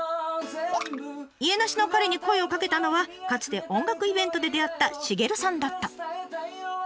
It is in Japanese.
家なしの彼に声をかけたのはかつて音楽イベントで出会ったシゲルさんだった。